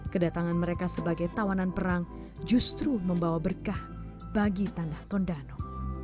kedatangan mereka sebagai tawanan perang justru membawa berkah bagi tanah tondano